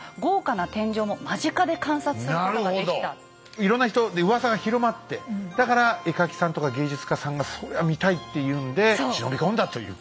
いろんな人でうわさが広まってだから絵描きさんとか芸術家さんがそりゃ見たいっていうんで忍び込んだというか。